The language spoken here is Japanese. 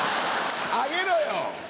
あげろよ！